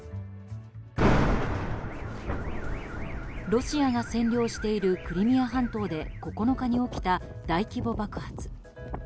ロシアが占領しているクリミア半島で９日に起きた大規模爆発。